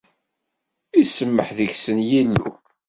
Isemmeḥ deg-sen Yillu!